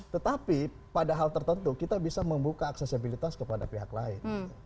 tetapi pada hal tertentu kita bisa membuka aksesibilitas kepada pihak lain